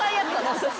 私。